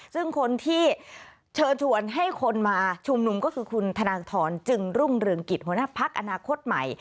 ซึ่งคนที่เชิญชวนให้คนมาชุมนุมก็คือคุณธนทรจึงรุ่งเรืองกิจหัวหน้าพักอนาคตใหม่